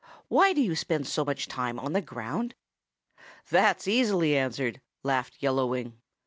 "Why do you spend so much time on the ground?" "That's easily answered," laughed Fellow Wing.